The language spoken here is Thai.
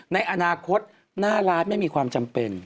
ในอนาคตหน้าร้านไม่มีความจำเป็น